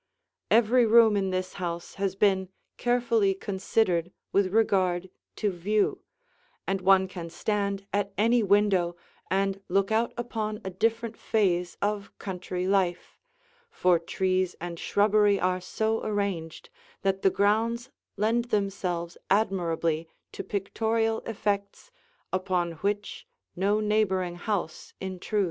Every room in this house has been carefully considered with regard to view, and one can stand at any window and look out upon a different phase of country life, for trees and shrubbery are so arranged that the grounds lend themselves admirably to pictorial effects upon which no neighboring house intrudes.